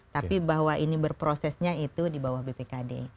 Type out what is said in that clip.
tapi bahwa ini berprosesnya itu di bawah bpkd